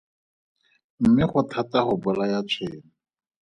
Mme go thata go bolaya tshwene.